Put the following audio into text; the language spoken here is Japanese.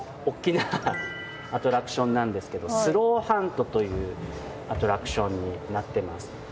大きなアトラクションなんですけどスローハントというアトラクションになってます。